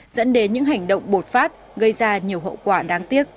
dẫn đến những hành động bột phát gây ra nhiều hậu quả đáng tiếc